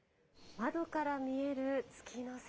窓から見える月の世界。